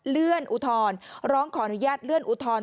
อุทธรณ์ร้องขออนุญาตเลื่อนอุทธรณ์